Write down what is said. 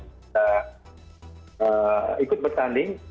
kita ikut pertanding